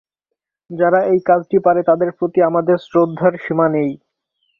যারা এই কাজটি পারে তাঁদের প্রতি আমাদের শ্রদ্ধার সীমা নেই।